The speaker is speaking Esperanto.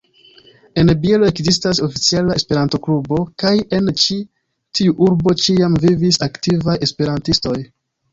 En Bielo ekzistas oficiala Esperanto-klubo, kaj en ĉi-tiu urbo ĉiam vivis aktivaj Esperantistoj.